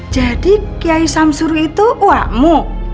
jadi kiai samsuru itu uramu